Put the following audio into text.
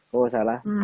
kalau tidak salah